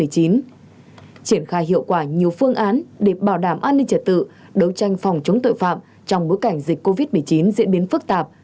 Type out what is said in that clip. triển khai hiệu quả nhiều phương án để bảo đảm an ninh trật tự đấu tranh phòng chống tội phạm trong bối cảnh dịch covid một mươi chín diễn biến phức tạp